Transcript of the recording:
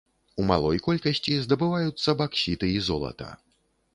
У малой колькасці здабываюцца баксіты і золата.